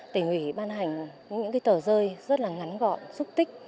tỉnh ủy ban hành những cái tờ rơi rất là ngắn gọn súc tích